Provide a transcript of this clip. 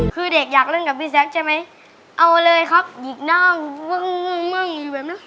คือเด็กอยากเล่นกับพี่แจ๊คใช่มั้ยเอาเลยครับหยิกนั่งแบบนั้น